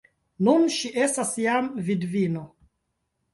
Nun ŝi estas jam vidvino!